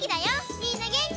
みんなげんき？